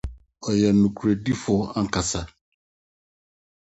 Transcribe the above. Ɔyɛ nokwaredifo ankasa.